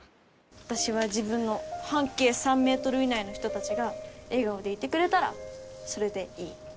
私は自分の半径３ｍ以内の人たちが笑顔でいてくれたらそれでいい。